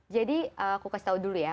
jadi aku kasih tau dulu ya